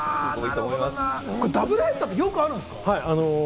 ダブルヘッダーってよくあるんすか？